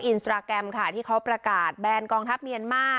อินสตราแกรมค่ะที่เขาประกาศแบนกองทัพเมียนมา